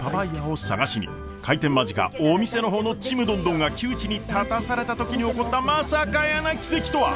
開店間近お店の方のちむどんどんが窮地に立たされた時に起こったまさかやーな奇跡とは？